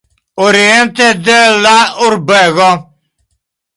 Oriente de la urbego.